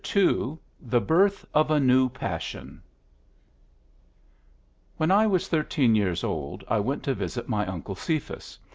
II THE BIRTH OF A NEW PASSION When I was thirteen years old I went to visit my Uncle Cephas.